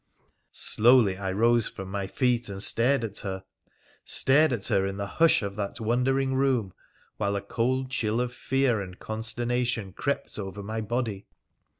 ' Slowly I rose from my feet and stared at her — stared at her in the hush of that wondering room, while a cold chill of fear and consternation crept over my body.